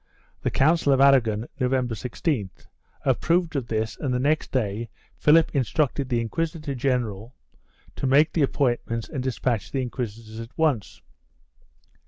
The Council of Aragon, November 16th, approved of this and the next day Philip instructed the inquisitor general to make the appointments and despatch the inquisitors at once.